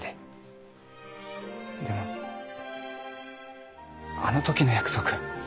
でもあのときの約束。